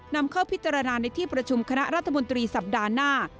นำเข้าพิจารณาในที่ประชุมคณะรัฐมนตรีสัปดาห์หน้า